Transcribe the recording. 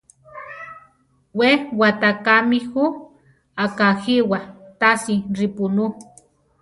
We watákami jú akajíwa, tasi ripunú.